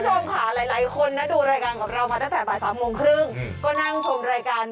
เราพันและแสงบาท๓ที่๓๐นก็นั่งพรมรายการ